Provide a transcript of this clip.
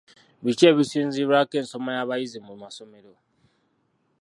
Biki ebisinziirwako ensoma y'abayizi mu masomero.